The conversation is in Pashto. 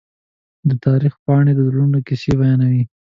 د تاریخ پاڼې د زړورو کیسې بیانوي.